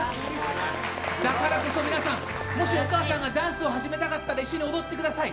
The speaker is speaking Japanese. だからこそ皆さんもしお母さんがダンスを始めたがったら一緒に踊ってください。